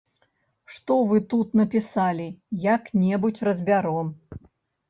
Што вы тут напісалі, як-небудзь разбяром.